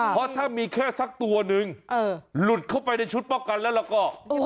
เพราะถ้ามีแค่สักตัวนึงหลุดเข้าไปในชุดป้องกันแล้วแล้วก็